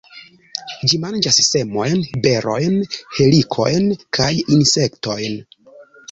Ĝi manĝas semojn, berojn, helikojn kaj insektojn.